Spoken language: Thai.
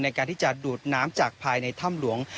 ในการที่จะดูดน้ำจากภายในถ้ำหลวง